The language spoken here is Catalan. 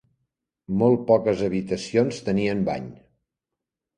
Molt poques habitacions tenien bany.